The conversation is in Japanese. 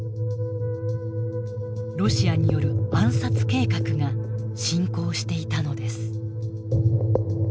ロシアによる暗殺計画が進行していたのです。